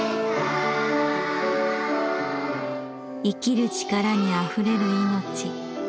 生きる力にあふれる命。